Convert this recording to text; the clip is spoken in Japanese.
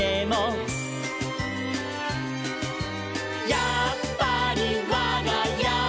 「やっぱりわがやは」